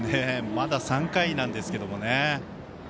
まだ３回なんですけどね。